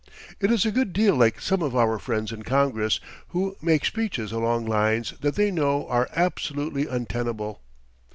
It is a good deal like some of our friends in Congress, who make speeches along lines that they know are absolutely untenable.